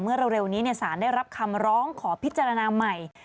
เร็วนี้สารได้รับคำร้องขอพิจารณาใหม่